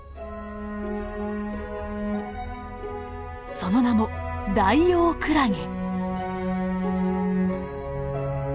その名もダイオウクラゲ。